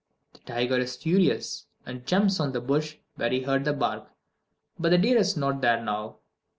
The tiger is furious, and jumps on the bush where he heard the bark but the deer is not there now!